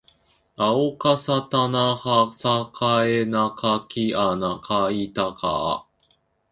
あおかさたなはさかえなかきあなかいたかあ